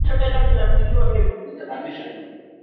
Maana mapenzi hayana mwenyewe